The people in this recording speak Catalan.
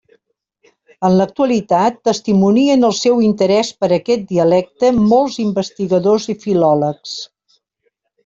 En l'actualitat testimonien el seu interès per aquest dialecte molts investigadors i filòlegs.